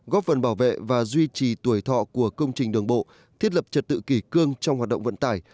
góp phần bảo vệ và duy trì tuổi thọ của công trình đường bộ thiết lập trật tự kỷ cương trong hoạt động vận tải